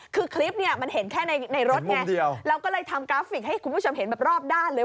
คือคลิปเนี่ยมันเห็นแค่ในรถไงเราก็เลยทำกราฟิกให้คุณผู้ชมเห็นแบบรอบด้านเลย